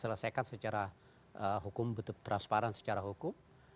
selesaikan secara hukum betul transparan secara hukum